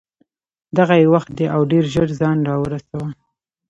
دغه یې وخت دی او ډېر ژر ځان را ورسوه.